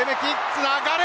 つながる。